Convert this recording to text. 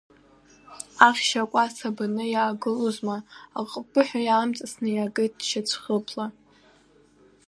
Ахьшь акәац абаны иаагылозма, аҟыԥыҳәа иамҵасны иакит шьацәхыԥла.